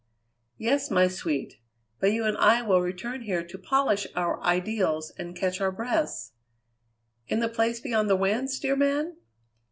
"Yes, my sweet, but you and I will return here to polish our ideals and catch our breaths." "In the Place Beyond the Winds, dear man?"